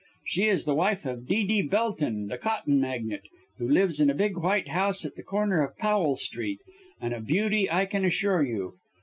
She is the wife of D.D. Belton, the cotton magnate, who lives in a big, white house at the corner of Powell Street and a beauty, I can assure you.